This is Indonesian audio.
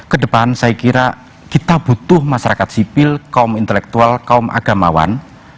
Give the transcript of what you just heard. kedepan saya kira kita butuh masyarakat sipil kaum intelektual kaum agamawan